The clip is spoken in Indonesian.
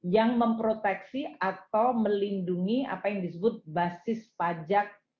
yang memproteksi atau melindungi apa yang disebut basis pajak